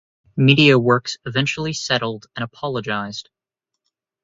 Mediaworks eventually settled and apologised.